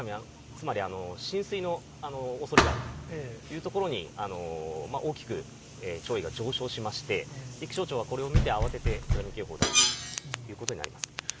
つまり浸水のおそれがあるというところに、大きく潮位が上昇しまして、気象庁は、これを見て慌てて津波警報を出しているということになります。